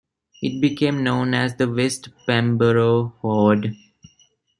It became known as the West Bagborough Hoard.